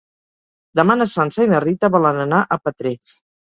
Demà na Sança i na Rita volen anar a Petrer.